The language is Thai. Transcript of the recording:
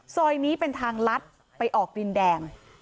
ซอยนี้เป็นทางลัดไปออกดินแดง